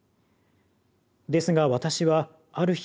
ですが私はある日